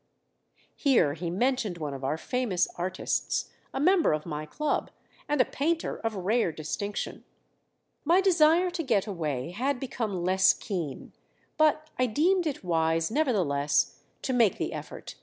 Here he mentioned one of our famous artists, a member of my club, and a painter of rare distinction. My desire to get away had become less keen; but I deemed it wise nevertheless to make the effort.